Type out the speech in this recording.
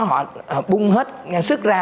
họ bung hết sức ra